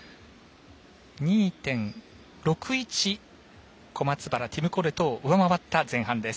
２．６１小松原、ティム・コレトを上回った前半です。